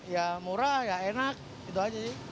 ya murah ya enak gitu aja sih